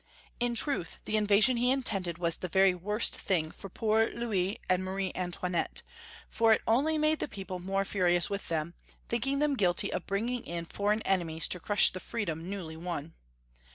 lu truth, the invasion he in tended was the very worst thing for poor Loids and Marie Antoinette, for it only made the people more furious with them, tliinking them guilty of bringing in foreign enemies to crush the freedom newly won.